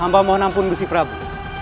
amba mohon ampun gusih prabu